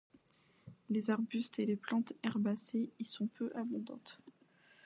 Les arbuste et les plantes herbacées y sont peu abondantes.